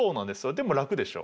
でも楽でしょ？